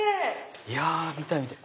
いや見たい見たい！